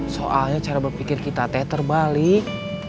soalnya cara berpikir kita teh terbalik